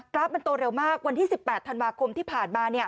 ราฟมันโตเร็วมากวันที่๑๘ธันวาคมที่ผ่านมา